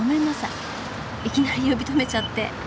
いきなり呼び止めちゃって。